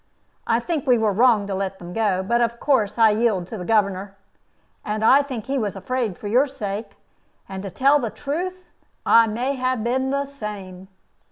I think we were wrong to let them go. But of course I yield to the governor. And I think he was afraid for your sake. And to tell the truth, I may have been the same."